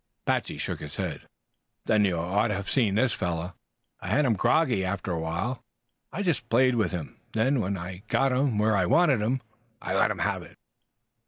Patsey shook his head. "Then you ought to have seen this fellow. I had him groggy after a while. I just played with him; then, when I got him where I wanted him, I let him have it."